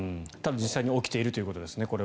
ただ、これは実際に起きているということですね。